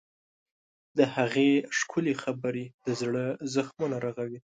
د هغې ښکلي خبرې د زړه زخمونه رغوي.